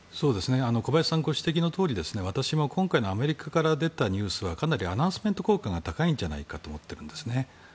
小林さんご指摘のとおり私も今回のアメリカから出たニュースはかなりアナウンスメント効果が高いんじゃないかと思っています。